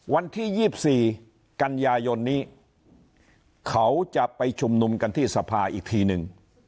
วันที่๒๔กันยายนนี้เขาจะไปชุมนุมกันที่สภาอีกทีนึง